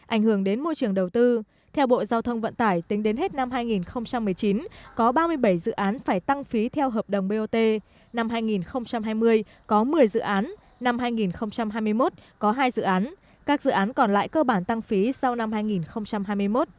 ảnh hưởng đến môi trường đầu tư theo bộ giao thông vận tải tính đến hết năm hai nghìn một mươi chín có ba mươi bảy dự án phải tăng phí theo hợp đồng bot năm hai nghìn hai mươi có một mươi dự án năm hai nghìn hai mươi một có hai dự án các dự án còn lại cơ bản tăng phí sau năm hai nghìn hai mươi một